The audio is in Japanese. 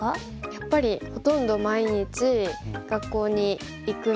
やっぱりほとんど毎日学校に行くので。